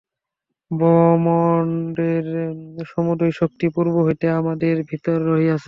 ব্রহ্মাণ্ডের সমুদয় শক্তি পূর্ব হইতেই আমাদের ভিতরে রহিয়াছে।